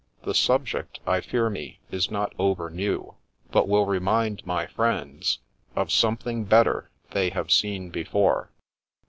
The subject, I fear me, is not over new, but will remind my friends ' Of something better they have seen before.'